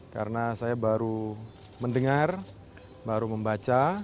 karena saya baru mendengar baru membaca